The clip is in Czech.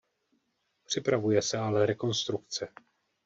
Připravuje se ale rekonstrukce.